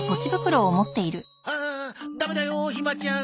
あダメだよひまちゃん。